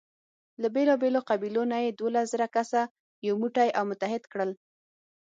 له بېلابېلو قبیلو نه یې دولس زره کسه یو موټی او متحد کړل.